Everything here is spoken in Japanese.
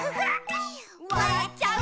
「わらっちゃう」